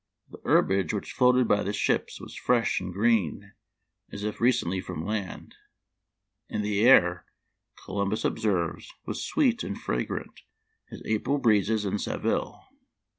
The herbage which floated by the ships was fresh and green, as if recently from land ; and the air, Columbus observes, was sweet and fragrant as April breezes in Seville.